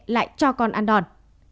lại cho con ăn đòn